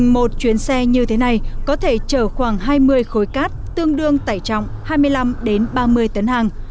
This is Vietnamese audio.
một chuyến xe như thế này có thể chở khoảng hai mươi khối cát tương đương tải trọng hai mươi năm ba mươi tấn hàng